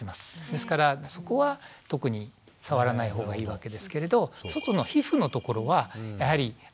ですからそこは特に触らないほうがいいわけですけれど外の皮膚のところはやはりあかが出るという。